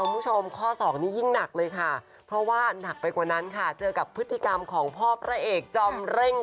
ไม่มันเร่งเครื่องเวลาแบบการแสดง